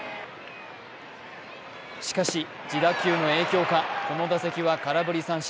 しかし、自打球の影響かこの打席は空振り三振。